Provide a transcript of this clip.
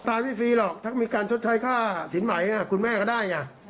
ไม่ฟรีหรอกถ้ามีการชดใช้ค่าสินไหมคุณแม่ก็ได้ไง